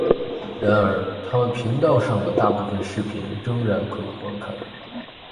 然而，他们频道上的大部分视频仍然可以观看。